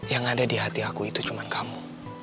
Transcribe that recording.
yang ada di hati aku itu cuma kamu